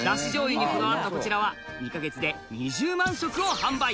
醤油にこだわったこちらは２カ月で２０万食を販売